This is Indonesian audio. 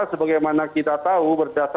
sebagaimana kita tahu